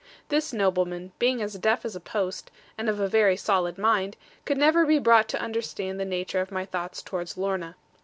This nobleman, being as deaf as a post, and of a very solid mind, could never be brought to understand the nature of my thoughts towards Lorna.